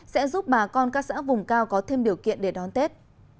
sẽ giúp bà con các xã vùng cao có thêm điều kiện để đón tết